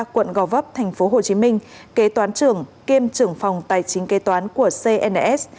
quận gò vấp thành phố hồ chí minh kế toán trưởng kiêm trưởng phòng tài chính kế toán của cns